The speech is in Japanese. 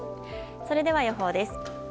それでは予報です。